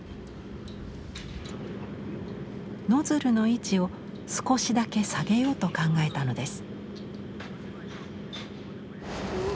ノズルの位置を少しだけ下げようと考えたのです。